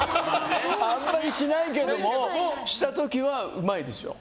あんまりしないけどもした時はうまいですよ。